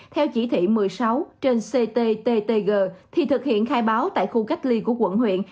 theo chỉ thị một mươi sáu trên cttg thì thực hiện khai báo tại khu cách ly của quận huyện